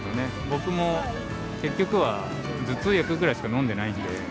僕も結局は頭痛薬ぐらいしか飲んでないんで。